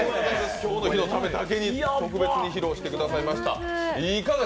今日の日のためだけに披露してくださいました。